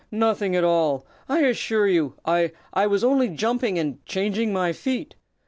nothing at all, I assure you. I I was only jumping and changing my feet.